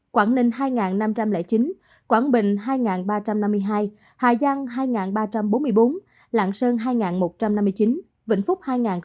quảng ninh hai năm trăm linh chín quảng bình hai ba trăm năm mươi hai hải giang hai ba trăm bốn mươi bốn lạng sơn hai một trăm năm mươi chín vĩnh phúc hai ba mươi chín